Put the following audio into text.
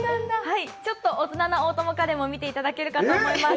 ちょっと大人な大友花恋も見ていただけると思います。